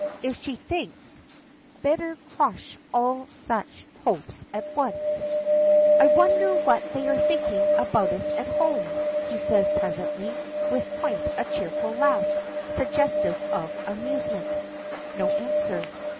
If she thinks Better crush all such hopes at once. "I wonder what they are thinking about us at home?" he says presently, with quite a cheerful laugh, suggestive of amusement. No answer.